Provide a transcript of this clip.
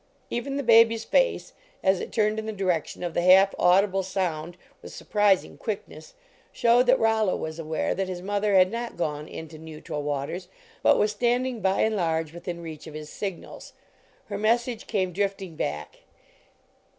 Even the baby s face, as it turned in the direction of the half audible sound with sur prising quickness, showed that Rollo was aware that his mother had not gone into neutral waters, but was standing by and large within reach of his signals. Her mes sage came drifting back.